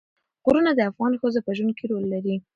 غرونه د افغان ښځو په ژوند کې رول لري.